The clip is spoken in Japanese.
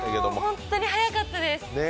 本当に早かったです。